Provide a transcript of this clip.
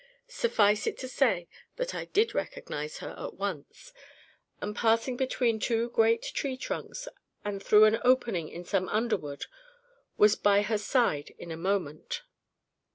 Suffice it to say that I did recognise her at once; and passing between two great tree trunks, and through an opening in some under wood, was by her side in a moment.